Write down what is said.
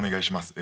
え